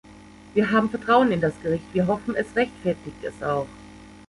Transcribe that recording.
Wir haben Vertrauen in das Gericht, wir hoffen, es rechtfertigt es auch.